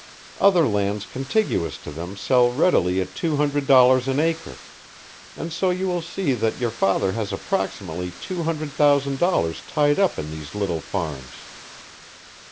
Other lands contiguous to them sell readily at two hundred dollars an acre, and so you will see that your father has approximately two hundred thousand dollars tied up in these little farms."